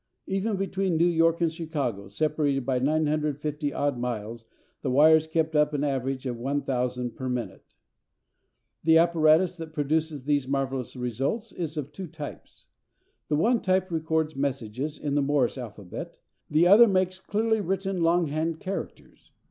Even between New York and Chicago, separated by 950 odd miles, the wires kept up an average of 1000 per minute. The apparatus that produces these marvellous results is of two types. The one type records messages in the Morse alphabet, the other makes clearly written longhand characters.